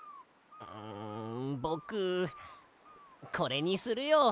んぼくこれにするよ。